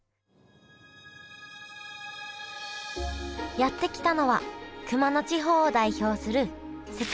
やって来たのは熊野地方を代表するああ。